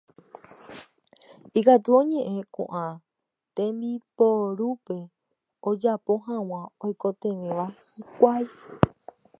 ikatu oñe'ẽ ko'ã tembiporúpe ojapo hag̃ua oikotevẽva hikuái.